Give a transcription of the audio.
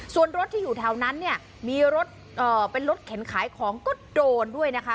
ส่วนรถที่อยู่แถวนั้นเนี่ยมีรถเป็นรถเข็นขายของก็โดนด้วยนะคะ